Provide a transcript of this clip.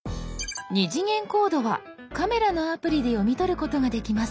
「２次元コード」はカメラのアプリで読み取ることができます。